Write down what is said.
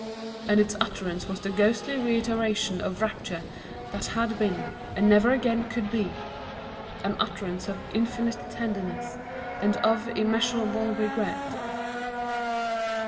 And its utterance was the ghostly reiteration of rapture that had been, and never again could be, an utterance of infinite tenderness and of immeasurable regret.